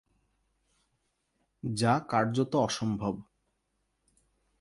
যা কার্যত অসম্ভব।